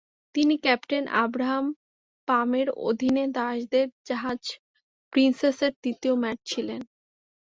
তিনি captain Abraham পামের অধীনে দাসদের জাহাজ প্রিন্সেসের তৃতীয় ম্যাট ছিলেন।